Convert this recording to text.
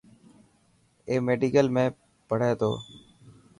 اي ميڊيڪل ۾ پهري تو.